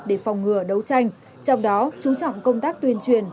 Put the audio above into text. để phòng ngừa đấu tranh trong đó chú trọng công tác tuyên truyền